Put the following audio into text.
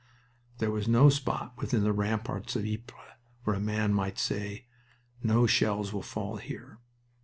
There was no spot within the ramparts of Ypres where a man might say "No shells will fall here."